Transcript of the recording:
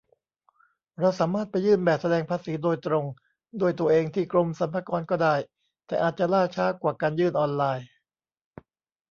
เราสามารถไปยื่นแบบแสดงภาษีโดยตรงด้วยตัวเองที่กรมสรรพากรก็ได้ แต่อาจจะล่าช้ากว่าการยื่นออนไลน์